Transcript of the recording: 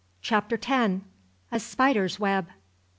CHAPTER TEN. A SPIDER'S WEB!